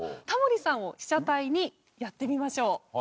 タモリさんを被写体にやってみましょう。